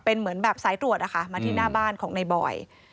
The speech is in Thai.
เป็นเหมือนแบบสายตรวจนะคะมาที่หน้าบ้านของในบอย